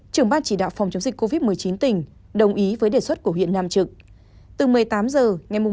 trưởng ban chỉ đạo phòng chống dịch covid một mươi chín tỉnh đồng ý với tỉnh nam định